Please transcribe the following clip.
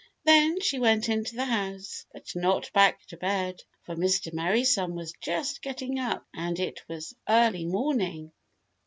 Then she went into the house, but not back to bed, for Mr. Merry Sun was just getting up and it was early morning.